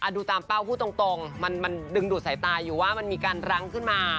ดูตามเป้าพูดตรงมันดึงดูดสายตาอยู่ว่ามันมีการรั้งขึ้นมา